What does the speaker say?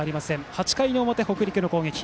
８回表の北陸の攻撃。